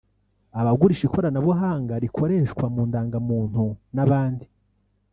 abagurisha ikoranabuhanga rikoreshwa mu ndangamuntu n’abandi